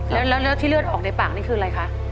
แล้วเลือดออกในปากนี่คืออะไรคะ